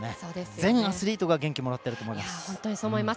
全アスリートが元気もらってると思います。